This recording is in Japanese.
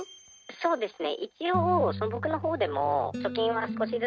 ☎そうですね。